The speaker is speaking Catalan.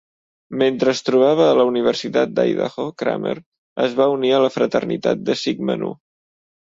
Mentre es trobava a la Universitat d'Idaho, Kramer es va unir a la fraternitat de Sigma Nu.